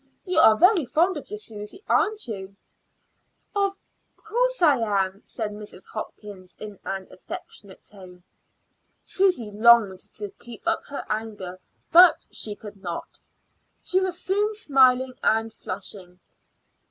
You are very fond of your Susy, aren't you?" "Of course I am," said Mrs. Hopkins in an affectionate voice. Susy longed to keep up her anger, but she could not. She was soon smiling and flushing.